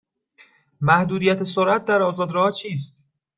محدودیت سرعت در آزاد راه ها چیست؟